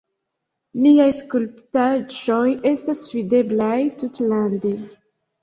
Liaj skulptaĵoj estas videblaj tutlande.